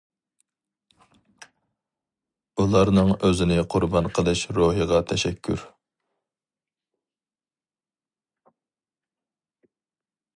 ئۇلارنىڭ ئۆزىنى قۇربان قىلىش روھىغا تەشەككۈر!